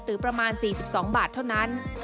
ประมาณ๔๒บาทเท่านั้น